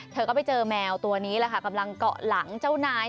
เธอก็ไปเจอแมวตัวนี้แหละค่ะกำลังเกาะหลังเจ้านาย